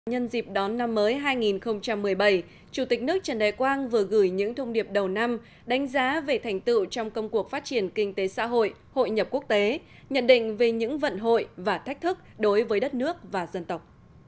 nhân dịp đón năm mới hai nghìn một mươi bảy chủ tịch nước trần đại quang vừa gửi những thông điệp đầu năm đánh giá về thành tựu trong công cuộc phát triển kinh tế xã hội hội nhập quốc tế nhận định về những vận hội và thách thức đối với đất nước và dân tộc